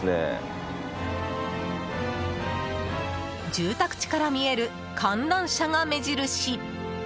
住宅地から見える観覧車が目印。